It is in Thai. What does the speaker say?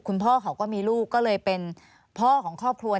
คุณพ่อเขาก็มีลูกก็เลยเป็นพ่อของครอบครัว